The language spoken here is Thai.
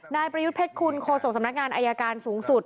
นายประยุทธ์เพชรคุณโฆษกสำนักงานอายการสูงสุด